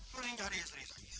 mending cari istri saya